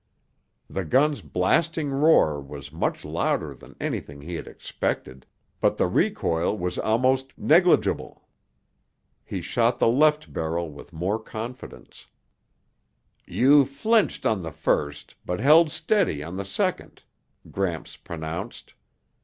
The gun's blasting roar was much louder than anything he had expected, but the recoil was almost negligible. He shot the left barrel with more confidence. "You flinched on the first but held steady on the second," Gramps pronounced.